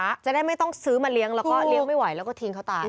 จะได้ไม่ต้องซื้อมาเลี้ยงแล้วก็เลี้ยงไม่ไหวแล้วก็ทิ้งเขาตาย